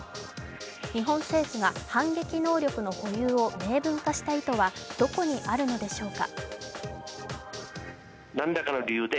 日本政府が、反撃能力の保有を明文化した意図はどこにあるのでしょうか？